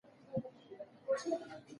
تړلی لوښی شات نور هم ساتي.